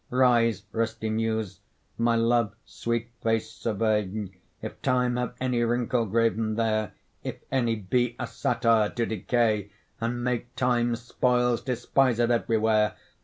Rise, resty Muse, my love's sweet face survey, If Time have any wrinkle graven there; If any, be a satire to decay, And make time's spoils despised every where.